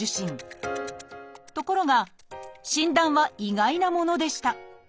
ところが診断は意外なものでした。